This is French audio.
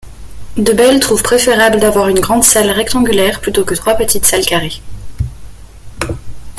Debelle trouve préférable d'avoir une grande salle rectangulaire plutôt que trois petites salles carrées.